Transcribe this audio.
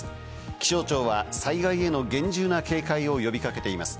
気象庁は災害への厳重な警戒を呼び掛けています。